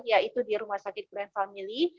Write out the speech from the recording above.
yaitu di rumah sakit grand family